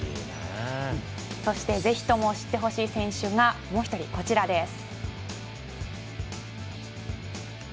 そしてぜひとも知ってほしい選手がもう一人、こちらです。